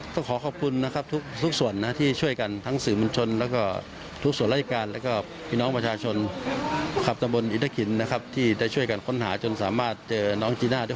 จะต้องทำการสืบสวนรวบรวมประถานแล้วก็ดำเนินการในส่วนเกี่ยวกับห้องต่อไป